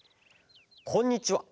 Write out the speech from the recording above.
こんにちは。